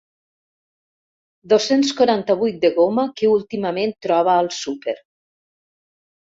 Dos-cents quaranta-vuit de goma que últimament troba al súper.